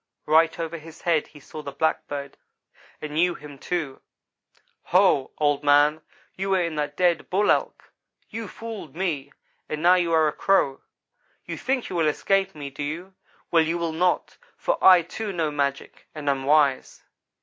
Right over his head he saw the black bird and knew him, too. "'Ho! Old man, you were in that dead Bull Elk. You fooled me, and now you are a Crow. You think you will escape me, do you? Well, you will not; for I, too, know magic, and am wise.'